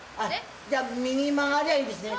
じゃあ右に曲がりゃいいんですね